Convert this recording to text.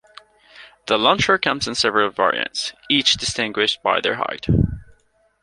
The launcher comes in several variants, each distinguished by their height.